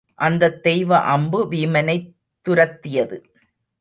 அந்தத் தெய்வ அம்பு வீமனைத் துரத்தியது.